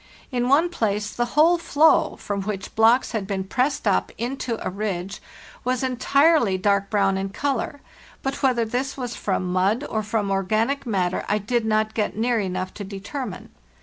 In one place the whole floe, from which blocks had been pressed up into a ridge, was entirely dark brown in color, but whether this was from mud or from organic matter I did not get near enough to determine.